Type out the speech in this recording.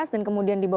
dan kemudian dibuka